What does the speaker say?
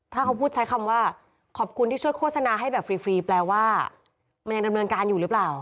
ถ้าเขาพูดใช้คำว่าขอบคุณที่ช่วยโฆษณาให้แบบฟรีแปลว่ามันยังดำเนินการอยู่หรือเปล่า